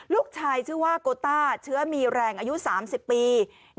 ลูกชายชื่อว่าโกต้าเชื้อมีแรงอายุ๓๐ปี